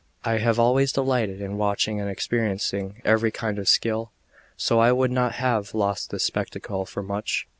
I have always delighted in watching and experiencing every kind of skill; so I would not have lost this spectacle for much.